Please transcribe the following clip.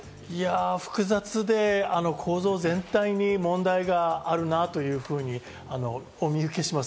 複雑で構造全体に問題があるなというふうにお見受けします。